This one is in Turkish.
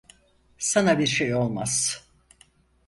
Sana bir şey olmaz.